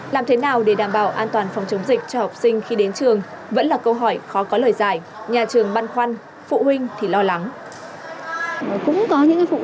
làm thế nào để đảm bảo an toàn phòng chống dịch cho học sinh khi đến trường